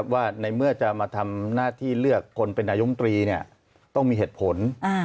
ว่าในเมื่อจะมาทำหน้าที่เลือกคนเป็นนายมตรีต้องมีเหตุผล